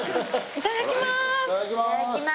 いただきます。